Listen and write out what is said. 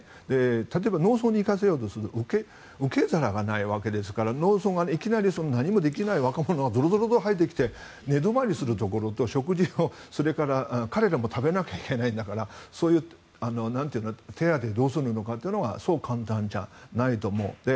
例えば農村に行かせようとしても受け皿がないわけですから農村にいきなり何もできない若者が続々と入って寝泊まりするところと彼らも食べなきゃいけないんだからそういう、手当てをどうするのかというのはそう簡単じゃないと思うので。